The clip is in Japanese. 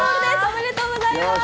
おめでとうございます！